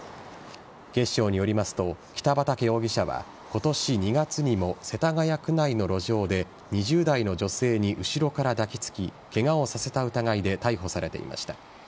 警視庁によりますと北畠容疑者は今年２月にも世田谷区内の路上で２０代の女性に後ろから抱きつきケガをさせた疑いで逮捕されていました。